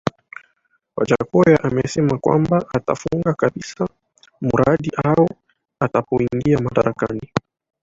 Wajackoya amesema kwamba atafunga kabisa mradi huo atakapoingia madarakani